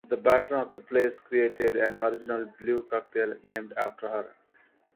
The bartender of the place created an original blue cocktail named after her.